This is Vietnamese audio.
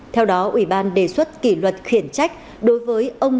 theo đó ubnd đề xuất kỷ luật khuyển trách đối với ông